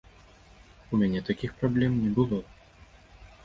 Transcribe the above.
У мяне такіх праблем не было!